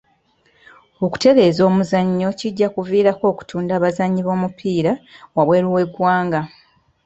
Okutereeza omuzannyo kijja kuviirako okutunda abazannyi b'omupiira waabweru w'eggwanga.